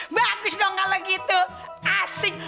bagus dong kalau gitu asik